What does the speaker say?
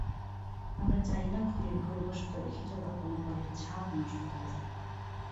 আমরা চাই না খুনির ভুলবশত রেখে যাওয়া কোনো পায়ের ছাপ নষ্ট হয়ে যাক।